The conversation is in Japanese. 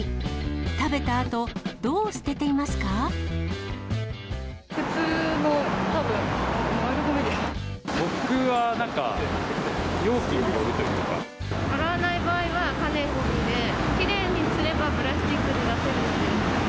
食べたあと、普通の、たぶん、僕はなんか、容器によるとい洗わない場合は可燃ごみで、きれいにすればプラスチックに出せるので。